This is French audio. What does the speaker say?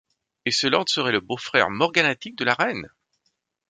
Et ce lord serait le beau-frère morganatique de la reine!